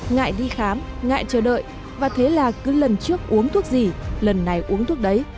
ngại đi khám ngại chờ đợi và thế là cứ lần trước uống thuốc gì lần này uống thuốc đấy